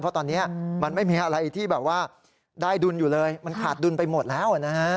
เพราะตอนนี้มันไม่มีอะไรที่แบบว่าได้ดุลอยู่เลยมันขาดดุลไปหมดแล้วนะฮะ